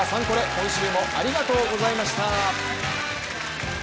今週もありがとうございました。